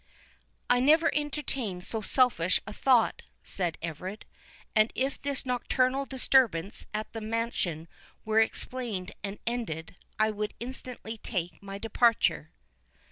"I never entertained so selfish a thought," said Everard; "and if this nocturnal disturbance at the mansion were explained and ended, I would instantly take my departure."